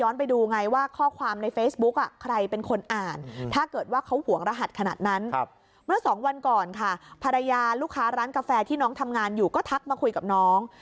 ลูกค้าร้านกาแฟที่น้องทำงานอยู่ก็ทักมาคุยกับน้อง